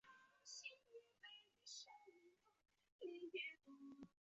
三一郡是美国德克萨斯州东部的一个县。